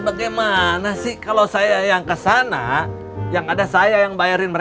betul sekali jennifer